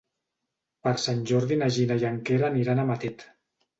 Per Sant Jordi na Gina i en Quer aniran a Matet.